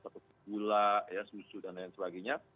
seperti gula susu dan lain sebagainya